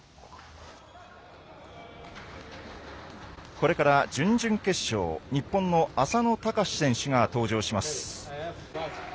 これから準々決勝日本の浅野俊選手が登場します。